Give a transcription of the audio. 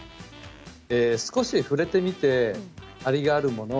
少し触れてみて張りがあるもの